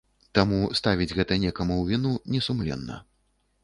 Таму ставіць гэта некаму ў віну несумленна.